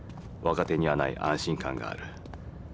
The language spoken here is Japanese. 若手にはない安心感がある。